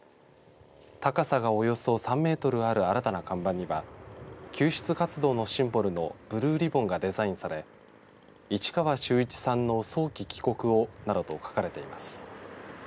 高さがおよそ３メートルある新たな看板には救出活動のシンボルのブルーリボンがデザインされ市川修一さんの早期帰国をなどと書かれています。